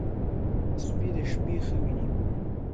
سپي د شپې ښه ویني.